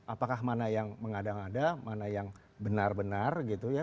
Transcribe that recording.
apakah mana yang mengada ngada mana yang benar benar gitu ya